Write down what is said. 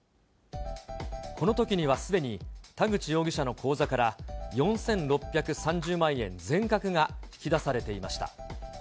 このときにはすでに、田口容疑者の口座から、４６３０万円全額が引き出されていました。